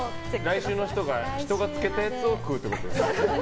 来週の人が、人が漬けたやつを食うってことですね。